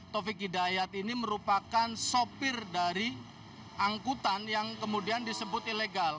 taufik hidayat ini merupakan sopir dari angkutan yang kemudian disebut ilegal